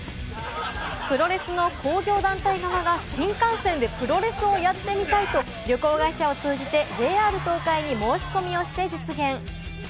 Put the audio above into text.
プロレスの興行団体側が新幹線でプロレスをやってみたいと、旅行会社を通じてＪＲ東海に申し込みをして実現。